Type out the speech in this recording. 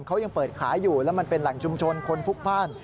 เขายังเปิดขายอยู่แล้วมันเป็นแหล่งชุมชนคนพลุกพ่าน